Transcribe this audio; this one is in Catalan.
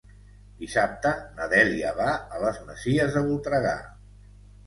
Dissabte na Dèlia va a les Masies de Voltregà.